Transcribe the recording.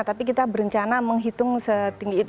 tapi kita berencana menghitung setinggi itu